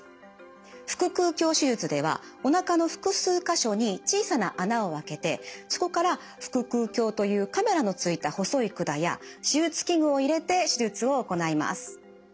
腹腔鏡手術ではおなかの複数か所に小さな孔を開けてそこから腹腔鏡というカメラのついた細い管や手術器具を入れて手術を行います。